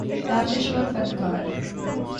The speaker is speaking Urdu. دانشور فنکار